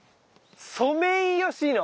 「ソメイヨシノ」。